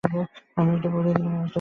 আমি একটা বলিদানের ব্যবস্থা করবো।